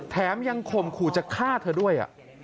แถมยังข่มขู่จะฆ่าเธอด้วย